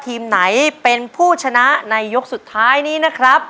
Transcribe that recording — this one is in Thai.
ทีมไหนเป็นผู้ชนะในยกสุดท้ายนี้นะครับ